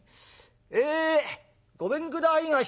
「ええごめんくださいまし。